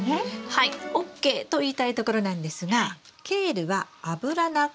はいＯＫと言いたいところなんですがケールはアブラナ科の植物です。